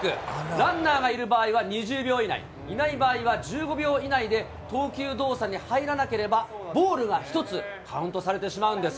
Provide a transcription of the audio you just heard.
ランナーがいる場合は２０秒以内、いない場合は１５秒以内で、投球動作に入らなければ、ボールが１つカウントされてしまうんです。